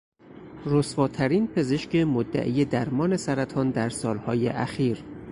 رسواترین پزشک مدعی درمان سرطان در سالهای اخیر